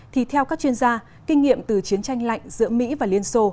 thì theo các chuyên gia kinh nghiệm từ chiến tranh lạnh giữa mỹ và liên xô